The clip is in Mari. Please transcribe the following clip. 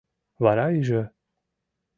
Вара ӱжӧ: